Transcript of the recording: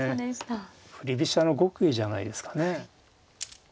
振り飛車の極意じゃないですかね。